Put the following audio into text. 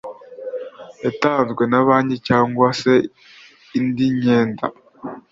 yatanzwe na banki cyangwa se indi myenda